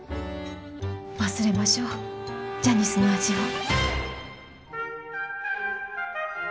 忘れましょジャニスの味は。